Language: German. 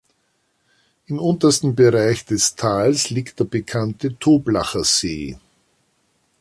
Im untersten Bereich des Tals liegt der bekannte Toblacher See.